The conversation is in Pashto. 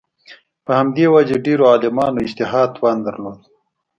په همدې وجه ډېرو عالمانو اجتهاد توان درلود